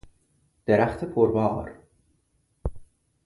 درخت پر بار